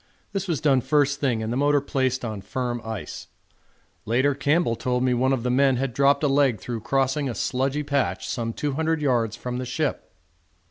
This was done first thing and the motor placed on firm ice. Later Campbell told me one of the men had dropped a leg through crossing a sludgy patch some 200 yards from the ship.